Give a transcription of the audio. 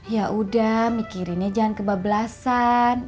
yaudah mikirinnya jangan kebablasan